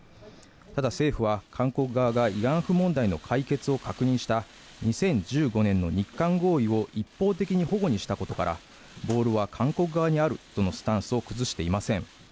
ただ政府は韓国側が慰安婦問題の解決を確認した２０１５年の日韓合意を一方的に反故にしたことからボールは韓国側にあるとのスタンスを崩していません